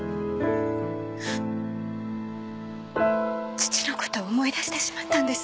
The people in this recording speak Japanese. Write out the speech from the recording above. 父の事を思い出してしまったんです。